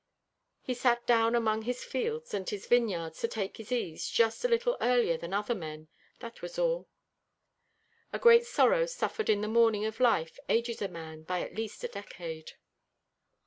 He sat down among his fields and his vineyards to take his ease just a little earlier than other men, that was all. A great sorrow suffered in the morning of life ages a man by at least a decade.